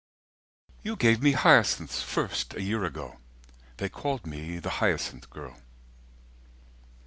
_ "You gave me hyacinths first a year ago; "They called me the hyacinth girl."